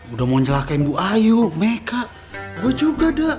udah mau ncelakain bu ayu meka gue juga dah